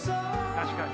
確かに。